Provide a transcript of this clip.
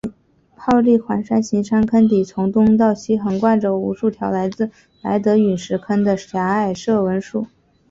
泡利环形山坑底从东到西横贯着无数条来自莱德陨石坑的狭窄射纹束。